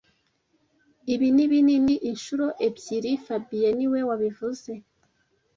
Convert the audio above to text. Ibi ni binini inshuro ebyiri fabien niwe wabivuze